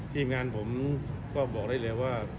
ทีมงานผมก็บอกได้เลยว่า